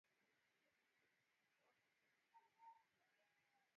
wasafiri wanaendao nyanda za juu kusini